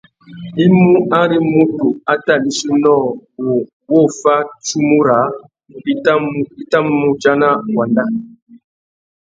I mú ari mutu a tà bîchi nôō wu wô fá tsumu râā i tà mù udjana wanda.